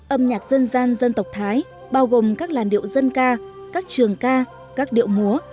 âm nhạc dân gian dân tộc thái bao gồm các làn điệu dân ca các trường ca các điệu múa